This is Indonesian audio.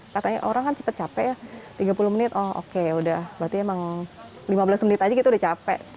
katanya orang kan cepat capek ya tiga puluh menit oh oke udah berarti emang lima belas menit aja gitu udah capek